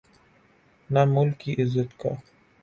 نہ ملک کی عزت کا۔